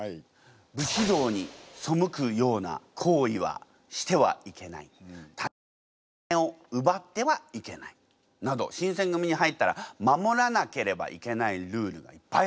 「武士道に背くような行為はしてはいけない」「他人の金を奪ってはいけない」など新選組に入ったら守らなければいけないルールがいっぱいあったと。